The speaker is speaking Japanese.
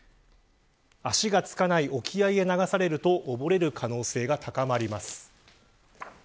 足がつかない沖合に流されると溺れる可能性が高まります。